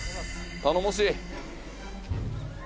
頼もしい！